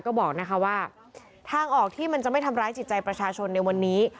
ก็บอกนะคะว่าทางออกที่มันจะไม่ทำร้ายจิตใจประชาชนในวันนี้